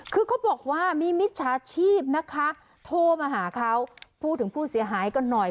คือเขาบอกว่ามีมิจฉาชีพนะคะโทรมาหาเขาพูดถึงผู้เสียหายกันหน่อย